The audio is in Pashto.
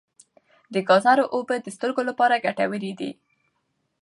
د ګازرو اوبه د سترګو لپاره ګټورې دي.